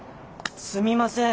すみません。